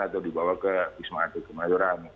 atau dibawa ke wisma atlet kemayoran